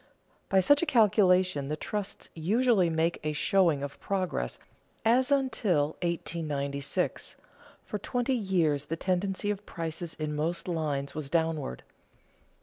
By such a calculation the trusts usually make a showing of progress, as, until 1896, for twenty years the tendency of prices in most lines was downward.